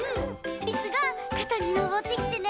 リスがかたにのぼってきてね